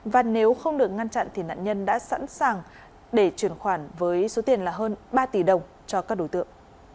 và nếu không được ngăn chặn thì nạn nhân đã sẵn sàng để chuyển khoản với số tiền là hơn ba tỷ đồng cho các đối tượng